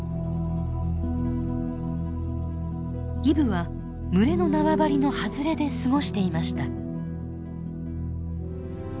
イブは群れの縄張りの外れで過ごしていました。